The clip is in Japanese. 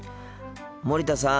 森田さん。